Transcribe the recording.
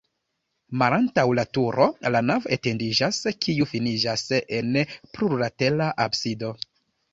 Malantaŭ la turo la navo etendiĝas, kiu finiĝas en plurlatera absido.